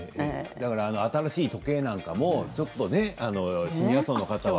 新しい時計なんかもちょっとシニア層の方は。